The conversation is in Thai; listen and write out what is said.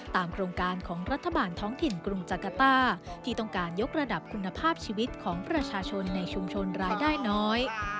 โครงการของรัฐบาลท้องถิ่นกรุงจักรต้าที่ต้องการยกระดับคุณภาพชีวิตของประชาชนในชุมชนรายได้น้อย